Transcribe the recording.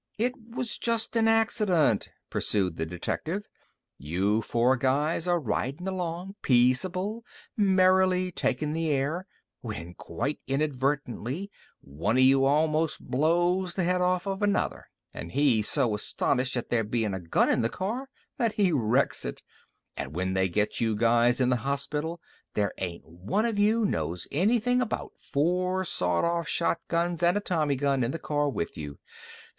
"It was just a accident," pursued the detective. "You four guys are ridin' along peaceable, merrily takin' the air, when quite inadvertently one of you almost blows the head off of another, and he's so astonished at there bein' a gun in the car that he wrecks it. And when they get you guys in the hospital there ain't one of you knows anything about four sawed off shotguns and a tommy gun in the car with you.